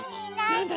なんだ？